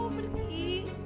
aku boleh gak mau pergi